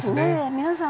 皆さん